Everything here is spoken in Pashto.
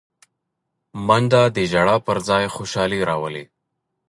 منډه د ژړا پر ځای خوشالي راولي